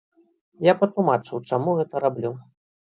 Я патлумачыў, чаму гэта раблю.